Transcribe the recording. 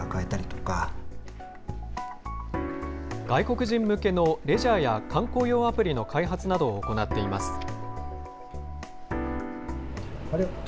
外国人向けのレジャーや観光用アプリの開発などを行っています。